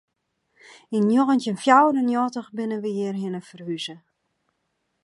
Yn njoggentjin fjouwer en njoggentich binne we hjirhinne ferhûze.